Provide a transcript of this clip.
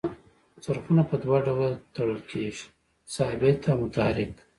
څرخونه په دوه ډوله تړل کیږي ثابت او متحرک.